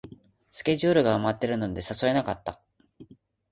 スケジュールが埋まってるので誘えなかった